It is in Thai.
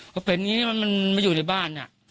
ก็เป็นอย่างนี้มันมาอยู่ในบ้าน